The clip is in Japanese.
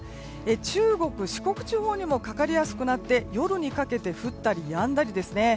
中国・四国地方にもかかりやすくなって夜にかけて降ったりやんだりですね。